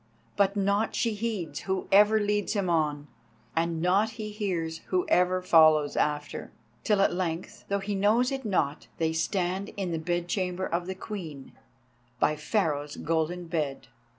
But naught she heeds who ever leads him on, and naught he hears who ever follows after, till at length, though he knows it not, they stand in the bed chamber of the Queen, and by Pharaoh's golden bed.